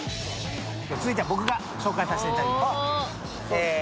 続いては僕が紹介させていただきます。